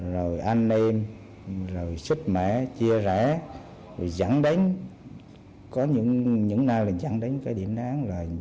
rồi anh em rồi xích mẹ chia rẽ rồi giẵn đánh có những nào là giẵn đánh cái điểm đáng